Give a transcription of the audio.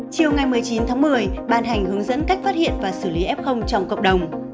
chiều ngày một mươi chín tháng một mươi ban hành hướng dẫn cách phát hiện và xử lý f trong cộng đồng